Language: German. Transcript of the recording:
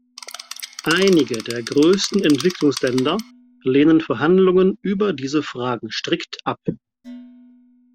Einige der größeren Entwicklungsländer lehnen Verhandlungen über diese Fragen strikt ab.